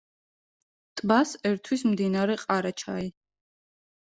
ტბას ერთვის მდინარე ყარაჩაი.